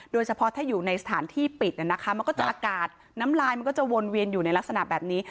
โดยเฉพาะถ้าอยู่ในสถานที่ปิดมันก็จะอากาศน้ำลายมันก็จะวนเวียนอยู่ในลักษณะแบบนี้